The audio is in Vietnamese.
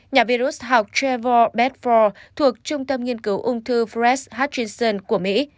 nhà virus học trevor bedford thuộc trung tâm nghiên cứu ung thư fred hutchinson của mỹ